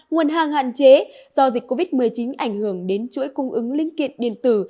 nguồn hàng hạn chế do dịch covid một mươi chín ảnh hưởng đến chuỗi cung ứng linh kiện điện tử